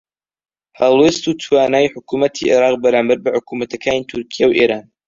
هەڵوێست و توانای حکوومەتی عێراق بەرامبەر بە حکوومەتەکانی تورکیا و ئێران